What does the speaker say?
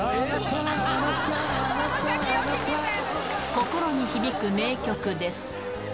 心に響く名曲です。